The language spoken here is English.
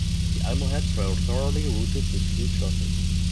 The Almohads were thoroughly routed, with huge losses.